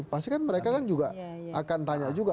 pasti kan mereka akan tanya juga